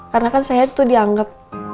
karena kan saya tuh dianggap